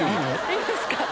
いいですか？